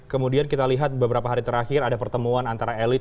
kemudian kita lihat beberapa hari terakhir ada pertemuan antara elit